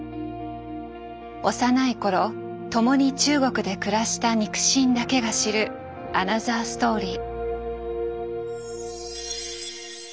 幼い頃共に中国で暮らした肉親だけが知るアナザーストーリー。